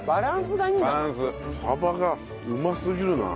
鯖がうますぎるな。